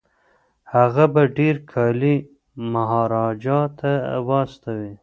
هغه به ډیر کالي مهاراجا ته واستوي.